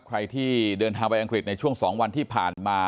ใครที่เดินทางไปอังกฤษในช่วง๒วันที่ผ่านมา